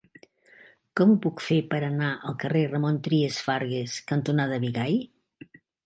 Com ho puc fer per anar al carrer Ramon Trias Fargas cantonada Bigai?